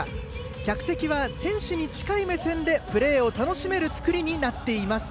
客席は選手に近い目線でプレーを楽しめる造りになっています。